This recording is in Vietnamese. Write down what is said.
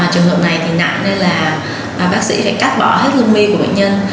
trường hợp này nặng nên bác sĩ phải cắt bỏ hết lông mi của bệnh nhân